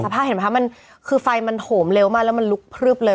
แล้วก็เนี่ยสภาพเห็นไหมคะมันคือไฟมันโหมเร็วมากแล้วมันลุกพลืบเลย